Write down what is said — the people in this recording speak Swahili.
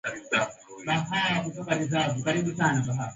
mkuu ilikuwa na haki ya kumwondoa Khalifa